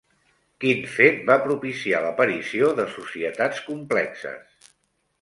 Quin fet va propiciar l'aparició de societats complexes?